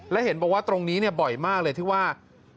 และเห็นบอกว่าตรงนี้บ่อยมากเลยที่ว่า